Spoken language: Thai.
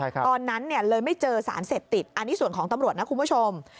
ตอนนั้นเลยไม่เจอสารเสพติดอันนี้ส่วนของตำรวจนะคุณผู้ชม